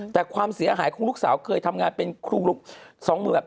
แต่ความเสียหายของลูกสาวเคยทำงานเป็นครูสองมือแบบ